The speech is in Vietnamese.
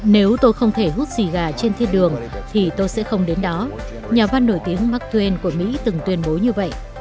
nếu tôi không thể hút xì gà trên thiên đường thì tôi sẽ không đến đó nhà văn nổi tiếng mccain của mỹ từng tuyên bố như vậy